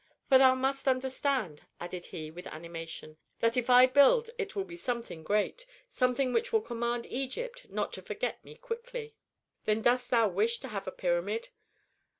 For thou must understand," added he with animation, "that if I build it will be something great, something which will command Egypt not to forget me quickly." "Then dost thou wish to have a pyramid?"